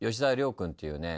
君っていうね